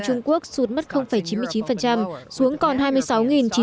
trung quốc xuống chín mươi bốn điểm mức thấp nhất trong một năm qua còn tại thị trường tokyo